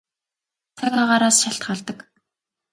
Цаг агаараас шалтгаалдаг.